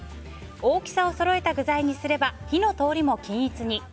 大きさをそろえた具材にすれば火の通りも均一に。